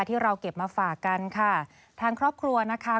ที่เราเก็บมาฝากกันค่ะทางครอบครัวนะคะ